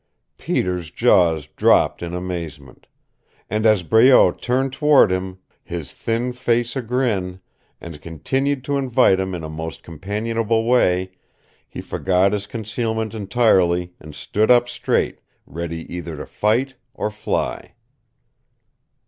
Peter's jaws dropped in amazement. And as Breault turned toward him, his thin face a grin, and continued to invite him in a most companionable way, he forgot his concealment entirely and stood up straight, ready either to fight or fly.